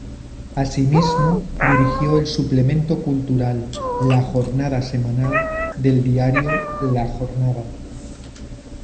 Asimismo dirigió el suplemento cultural "La Jornada Semanal" del diario "La Jornada".